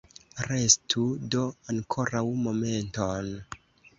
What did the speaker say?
Restu do ankoraŭ momenton!